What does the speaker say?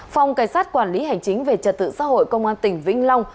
phòng cảnh sát quản lý hành chính về trật tự xã hội công an tỉnh vĩnh long